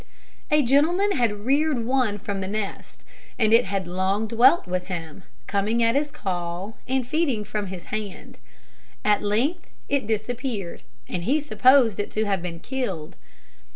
A gentleman had reared one from the nest, and it had long dwelt with him, coming at his call, and feeding from his hand. At length it disappeared, and he supposed it to have been killed.